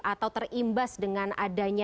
atau terimbas dengan adanya